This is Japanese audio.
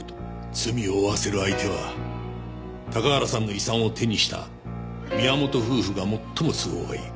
罪を負わせる相手は高原さんの遺産を手にした宮本夫婦が最も都合がいい。